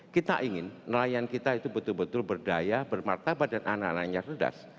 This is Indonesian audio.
kita ingin nelayan kita itu betul betul berdaya bermartabat dan anak anak yang cerdas